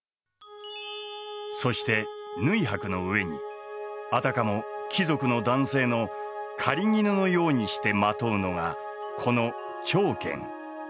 そして縫箔の上にあたかも貴族の男性の狩衣のようにしてまとうのがこの長絹。